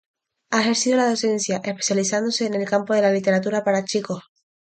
Ha ejercido la docencia, especializándose en el campo de la Literatura para chicos.